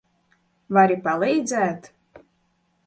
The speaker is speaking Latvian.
Vari palīdzēt?